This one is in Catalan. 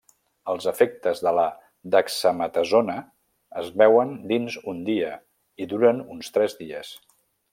Els efectes de la dexametasona es veuen dins un dia i duren uns tres dies.